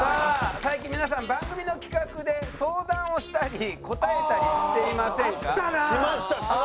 最近皆さん番組の企画で相談をしたり答えたりしていませんか？